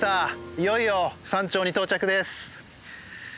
いよいよ山頂に到着です。